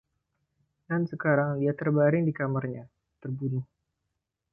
Dan sekarang dia terbaring di kamarnya, terbunuh!